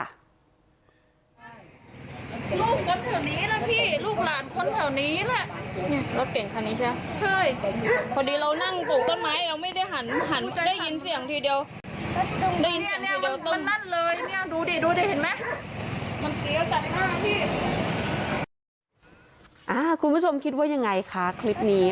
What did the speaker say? คุณผู้ชมคิดว่ายังไงคะคลิปนี้